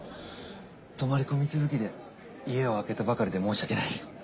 泊まり込み続きで家を空けてばかりで申し訳ない。